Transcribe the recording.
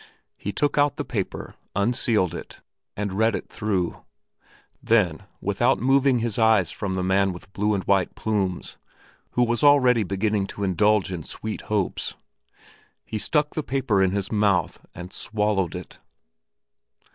He took out the paper, unsealed it, and read it through; then, without moving his eyes from the man with blue and white plumes, who was already beginning to indulge in sweet hopes, he stuck the paper in his mouth and swallowed it.